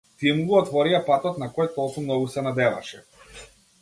Тие му го отворија патот на кој толку многу се надеваше.